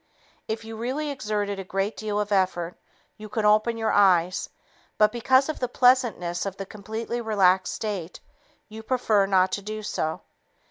If you really exerted a great deal of effort, you could open your eyes, but because of the pleasantness of the completely relaxed state, you prefer not to do so.